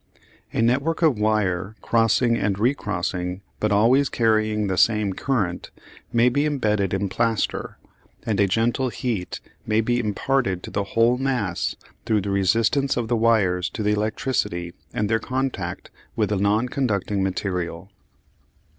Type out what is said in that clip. A network of wire, crossing and recrossing but always carrying the same current, may be embedded in plaster and a gentle heat may be imparted to the whole mass through the resistance of the wires to the electricity and their contact with the non conducting material.